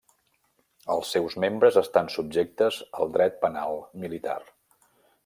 Els seus membres estan subjectes al dret penal militar.